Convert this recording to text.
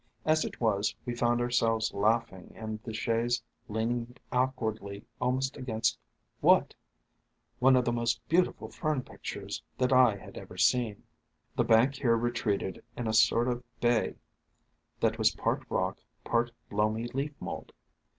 As it was, we found ourselves laughing and the chaise leaning awkwardly almost against — what ? One of the most beautiful Fern pictures that I had ever seen. The bank here retreated in a sort of bay that was part rock, part loamy leaf mold.